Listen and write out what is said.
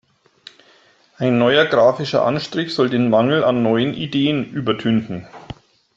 Ein neuer grafischer Anstrich soll den Mangel an neuen Ideen übertünchen.